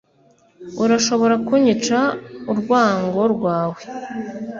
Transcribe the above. Urashobora kunyica urwango rwawe